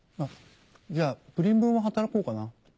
じゃあプリン分は働こうかな。